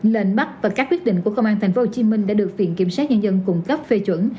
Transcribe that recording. lệnh bắt và các quyết định của công an tp hcm đã được viện kiểm sát nhân dân cung cấp phê chuẩn